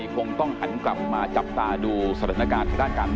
ขอบคุณค่ะ